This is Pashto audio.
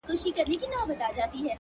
ستا په راتلو شوم له ديدنه محروم